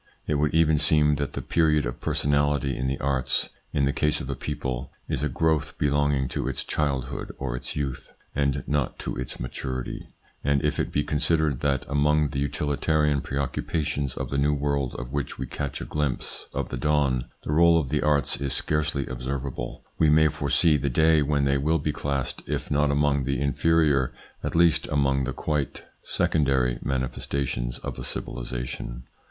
It would even seem that the period of personality in the arts, in the case of a people, is a growth belonging to its child hood or its youth and not to its maturity ; and if it be considered that, among the utilitarian preoccu pations of the new world of which we catch a glimpse of the dawn, the role of the arts is scarcely observable, we may foresee the day when they will be classed if not among the inferior, at least among the quite secondary manifestations of a civilisation.